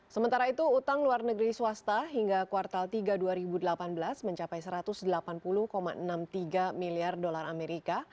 sementara itu utang luar negeri swasta hingga kuartal tiga dua ribu delapan belas mencapai satu ratus delapan puluh enam puluh tiga miliar dolar amerika